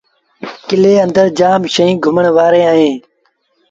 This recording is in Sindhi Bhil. ڪلي اندر جآم شئيٚن گھمڻ وآريٚݩ اهيݩ۔